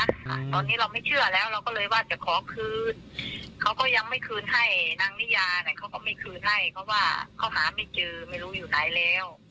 ค่ะตอนนี้เราไม่เชื่อแล้วเราก็เลยว่าจะขอคืนเขาก็ยังไม่คืนให้นางนิยาเนี่ยเขาก็ไม่คืนให้เพราะว่าเขาหาไม่เจอไม่รู้อยู่ไหนแล้ว